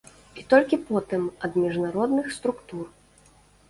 І толькі потым ад міжнародных структур.